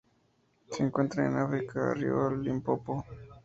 Se encuentran en África: río Limpopo.